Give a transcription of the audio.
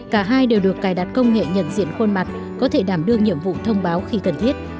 cả hai đều được cài đặt công nghệ nhận diện khuôn mặt có thể đảm đương nhiệm vụ thông báo khi cần thiết